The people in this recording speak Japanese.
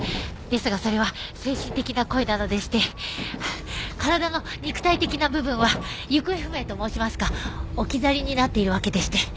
ですがそれは精神的な恋なのでして体の肉体的な部分は行方不明と申しますか置き去りになっているわけでして。